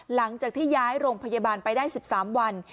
หลังจากที่ย้ายโรงพยาบาลไปได้๑๓วัน